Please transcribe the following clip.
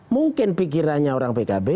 mungkin pikirannya orang pkb